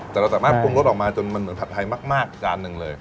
แต่เราสามารถปรุงรสออกมาจนมันเหมือนผัดไทยมากจานหนึ่งเลย